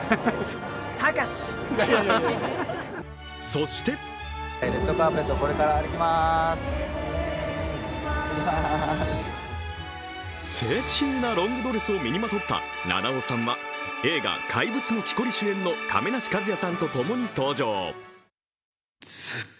そしてセクシーなロングドレスを身にまとった菜々緒さんは映画「怪物の木こり」主演の亀梨和也さんとともに登場。